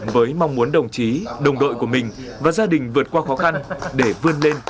với mong muốn đồng chí đồng đội của mình và gia đình vượt qua khó khăn để vươn lên